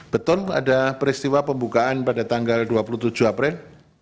betul ada peristiwa pembukaan pada tanggal dua puluh tujuh april